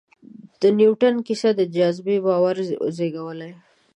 د نیوټن کیسه د جاذبې باور زېږولی.